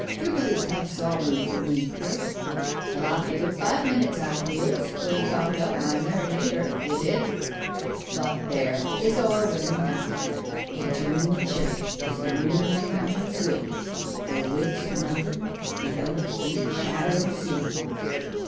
give her this half sovereign from me, clerk." 'A laughed a good five minutes afterwards, when he found out my merry nater 'a did. But there, 'tis over wi' me now. Enteren the Church is the ruin of a man's wit for wit's nothen without a faint shadder o' sin.